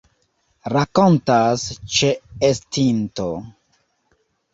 Rakontas ĉeestinto.